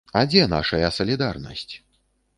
А дзе нашая салідарнасць?